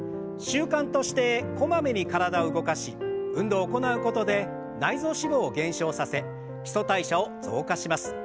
習慣としてこまめに体を動かし運動を行うことで内臓脂肪を減少させ基礎代謝を増加します。